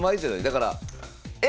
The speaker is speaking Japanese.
だからＡ！